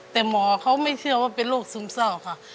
แต่หมอเขาไม่เชื่อว่าเป็นโรคซึมเศร้าค่ะ